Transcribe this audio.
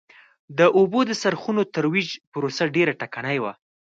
د اوبو د څرخونو ترویج پروسه ډېره ټکنۍ وه.